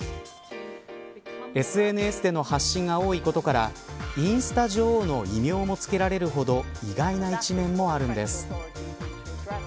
ＳＮＳでの発信が多いことからインスタ女王の異名も付けられるほど意外な一面もあるんです。